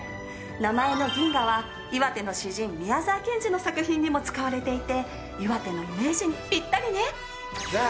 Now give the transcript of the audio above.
名前の「銀河」は岩手の詩人宮沢賢治の作品にも使われていて岩手のイメージにピッタリね！